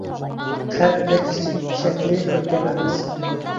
خەت بەك كىچىك، شەكلى كۆركەم ئەمەس.